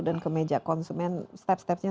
dan ke meja konsumen step stepnya